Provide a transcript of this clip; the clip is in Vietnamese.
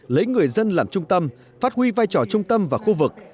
lấy người dân làm trung tâm phát huy vai trò trung tâm và khu vực